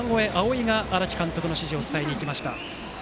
生が荒木監督の指示を伝えに行きました。